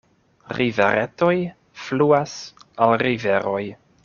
Riveretoj fluas al riveroj.